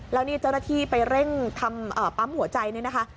แล้วนี่เจ้าหน้าที่ไปเร่งทำปั๊มหัวใจเนี่ยนะคะ